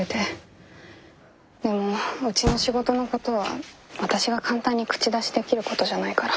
でもうちの仕事のことは私が簡単に口出しできることじゃないから。